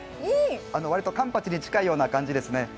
割とカンパチに近いような感じですね。